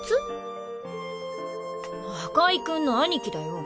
赤井君の兄貴だよ。